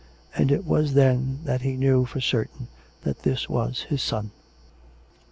And it was then that he knew for certain that this was his son.